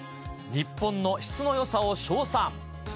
日本の質のよさを称賛。